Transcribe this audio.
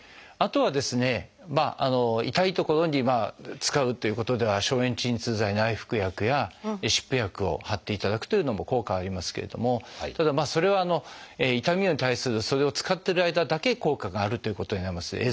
あとはですね痛い所に使うということでは消炎鎮痛剤内服薬や湿布薬を貼っていただくというのも効果はありますけれどただそれは痛みに対するそれを使ってる間だけ効果があるということになります。